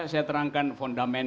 saya terangkan fondamen